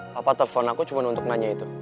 papa telpon aku cuma untuk nanya itu